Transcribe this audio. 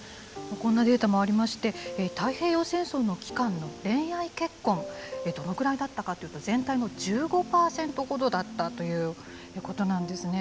こんなデータもありまして太平洋戦争の期間の恋愛結婚どのくらいだったかというと全体の１５％ほどだったということなんですね。